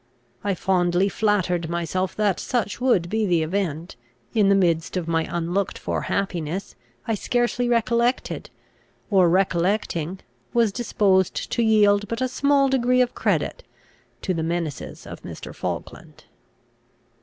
I fondly flattered myself that such would be the event: in the midst of my unlooked for happiness, I scarcely recollected, or, recollecting, was disposed to yield but a small degree of credit to, the menaces of Mr. Falkland.